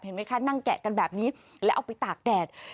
ไหมคะนั่งแกะกันแบบนี้แล้วเอาไปตากแดด